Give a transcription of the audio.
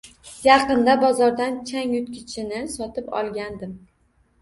Yaqinda bozordan changyutgichini sotib olgandim.